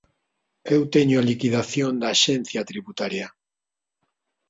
Eu teño a liquidación da Axencia Tributaria.